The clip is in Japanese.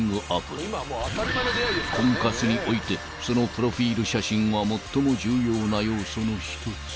［婚活においてそのプロフィル写真は最も重要な要素の１つ］